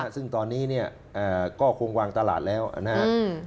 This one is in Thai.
ซึ่งตอนนี้เนี่ยก็คงวางตลาดแล้วนะครับ